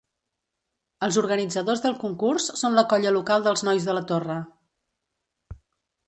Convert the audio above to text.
Els organitzadors del concurs són la colla local dels Nois de la Torre.